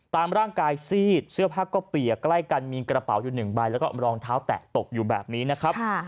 ตามร่างกายซีดเสื้อผ้าก็เปียกใกล้กันมีกระเป๋าอยู่หนึ่งใบแล้วก็รองเท้าแตะตกอยู่แบบนี้นะครับ